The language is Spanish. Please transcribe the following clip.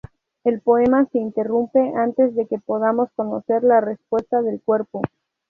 El poema se interrumpe antes de que podamos conocer la respuesta del cuerpo.